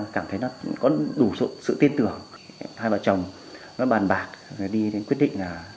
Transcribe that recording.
cảm thấy nó có đủ sự tin tưởng hai bà chồng nó bàn bạc đi đến quyết định là